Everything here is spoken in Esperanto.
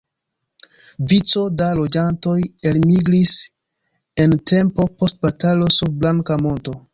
Vico da loĝantoj elmigris en tempo post batalo sur Blanka monto.